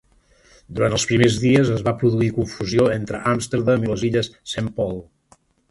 Durant els primers dies es va produir confusió entre Amsterdam i les illes Saint Paul.